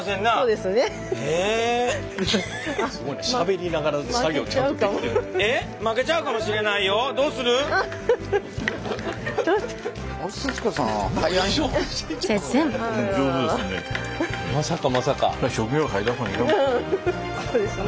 うんそうですね。